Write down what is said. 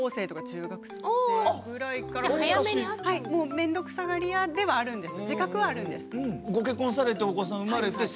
めんどくさがり屋ではあるんです。